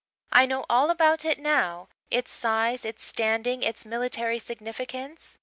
I know all about it now its size, its standing, its military significance.